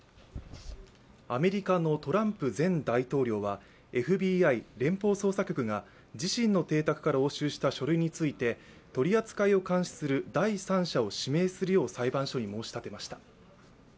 アメリカのトランプ前大統領はＦＢＩ＝連邦捜査局が自身の邸宅から押収した書類について取り扱いを監視する第三者を指名するよう裁判所に申し立てました。